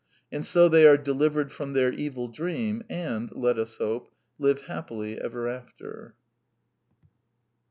And so they are delivered from their evil dream, and, let us hope, live happily ever after.